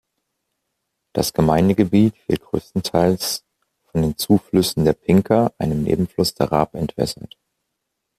Das Gemeindegebiet wird größtenteils von den Zuflüssen der Pinka, einem Nebenfluss der Raab entwässert.